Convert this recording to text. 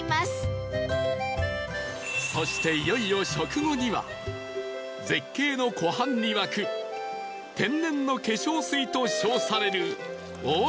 そしていよいよ食後には絶景の湖畔に湧く天然の化粧水と称される黄金温泉へ